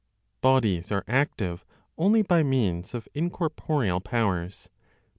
BODIES ARE ACTIVE ONLY BY MEANS OF INCORPOREAL POWERS. (9.)